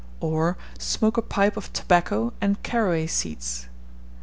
Or smoke a pipe of tobacco and caraway seeds.